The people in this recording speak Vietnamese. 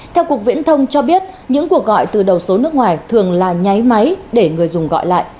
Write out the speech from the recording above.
theo cục viễn thông cho biết những cuộc gọi từ đầu số nước ngoài thường là nháy máy để người dùng gọi lại